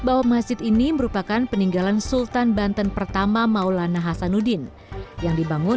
bahwa masjid ini merupakan peninggalan sultan banten pertama maulana hasanuddin yang dibangun